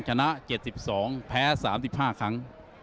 ชนะ๗๒แพ้๓๕ครั้ง